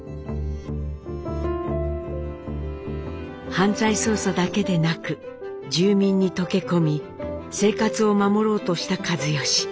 犯罪捜査だけでなく住民に溶け込み生活を守ろうとした一嚴。